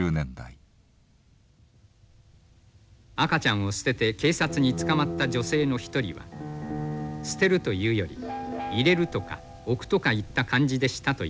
赤ちゃんを捨てて警察に捕まった女性の一人は「捨てるというより入れるとか置くとかいった感じでした」と言っている。